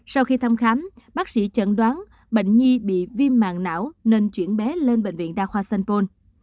sau khi thăm khám bác sĩ chẩn đoán bệnh nhi bị viêm mạng não nên chuyển bé lên bệnh viện đa khoa sanpol